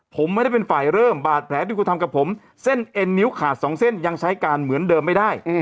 ผมไม่ได้เป็นฝ่ายเริ่มบาดแผลที่คุณทำกับผมเส้นเอ็นนิ้วขาดสองเส้นยังใช้การเหมือนเดิมไม่ได้